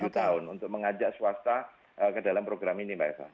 tujuh tahun untuk mengajak swasta ke dalam program ini mbak eva